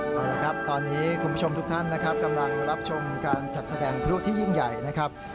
เอาละครับตอนนี้คุณผู้ชมทุกท่านนะครับกำลังรับชมการจัดแสดงพลุที่ยิ่งใหญ่นะครับ